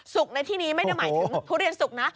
ในที่นี้ไม่ได้หมายถึงทุเรียนสุกนะ